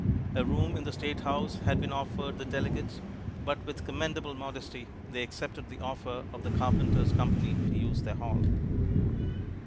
A room in the State House had been offered the delegates, but with commendable modesty they accepted the offer of the Carpenters' Company to use their hall.